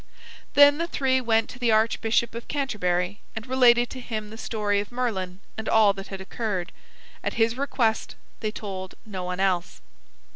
Then the three went to the Archbishop of Canterbury and related to him the story of Merlin and all that had occurred. At his request they told no one else.